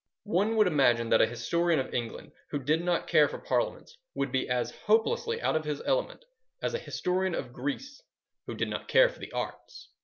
One would imagine that a historian of England who did not care for Parliaments would be as hopelessly out of his element as a historian of Greece who did not care for the arts.